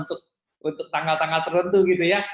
untuk tanggal tanggal tertentu gitu ya